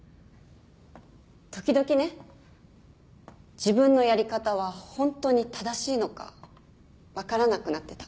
時々ね自分のやり方は本当に正しいのか分からなくなってた。